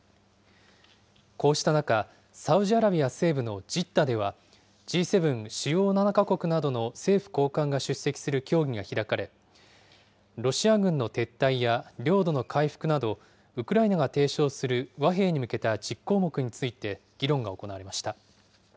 こうした中、サウジアラビア西部のジッダでは、Ｇ７・主要７か国などの政府高官が出席する協議が開かれ、ロシア軍の撤退や領土の回復など、ウクライナが提唱する和平に向けた１０項目について、議論が行われました。